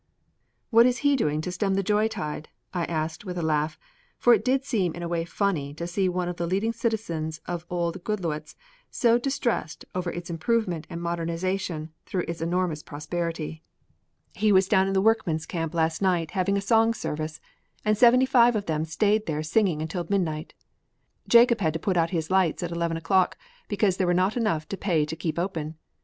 "What is he doing to stem the joy tide?" I asked with a laugh, for it did seem in a way funny to see one of the leading citizens of old Goodloets so distressed over its improvement and modernization through its enormous prosperity. "He was down in the workmen's camp last night having a song service and seventy five of them stayed there singing until midnight. Jacob had to put out his lights at eleven o'clock because there were not enough to pay to keep open.